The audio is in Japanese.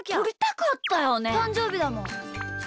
たんじょうびだもん。